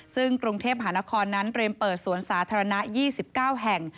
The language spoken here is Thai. ซึ่งกรุงเทพหานครนั้นเตรียมเปิดสวนสาธารณะ๒๙แห่ง